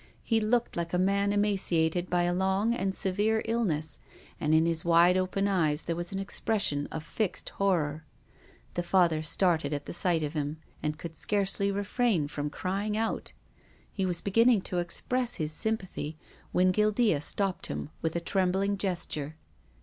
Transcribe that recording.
He looked like a man emaciated by a long and severe illness, and in his wide open eyes there was an expression of fixed horror. The Father started at the sight of him, and could scarcely refrain from crying out. He was beginning to express his sympathy when Guildea stopped him with a trembling gesture.